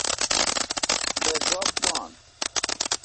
یی گوپ دان۔